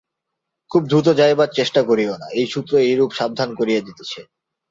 খুব দ্রুত যাইবার চেষ্টা করিও না, এই সূত্র এইরূপ সাবধান করিয়া দিতেছে।